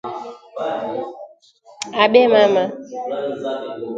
Abee mama